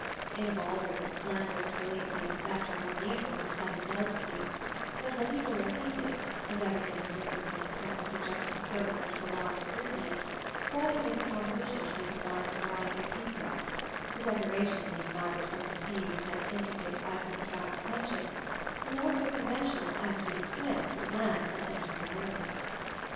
In a ball room, splendor and brilliancy of effect are more needful than a studied delicacy; but where people are seated, and everything in the room is consequently subjected to close and prolonged scrutiny, sprightliness of composition should be combined with variety of detail, the decoration being neither so confused and intricate as to distract attention, nor so conventional as to be dismissed with a glance on entering the room.